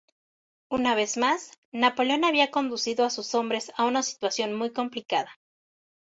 Una vez más, Napoleón había conducido a sus hombres a una situación muy complicada.